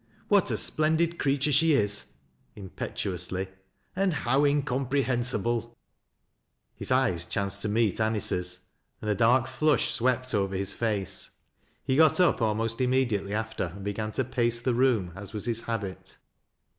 " What a splendid creature she is I " impetu (lusly —" and how incomprehensible !" His eyes chanced to meet Anice's, and a dark flush swept over his face. He got up almost immediately after and began to pace the room, as was his habit.